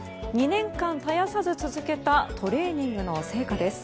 ２年間、絶やさず続けたトレーニングの成果です。